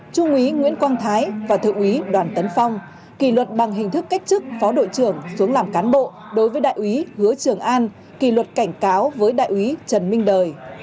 trung úy nguyễn quang thái và thượng úy đoàn tấn phong kỷ luật bằng hình thức cách chức phó đội trưởng xuống làm cán bộ đối với đại úy hứa trường an kỳ luật cảnh cáo với đại úy trần minh đời